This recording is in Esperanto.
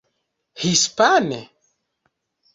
Hispane?